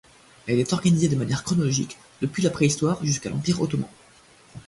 Elle est organisée de manière chronologique, depuis la Préhistoire jusqu'à l'Empire ottoman.